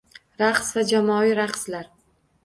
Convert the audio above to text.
Raqslar va jamoaviy raqslar